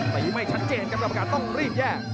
ใส่ไม่ชัดเจนครับต้องรีบแยก